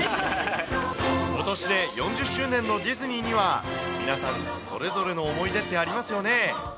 ことしで４０周年のディズニーには、皆さんそれぞれの思い出ってありますよね。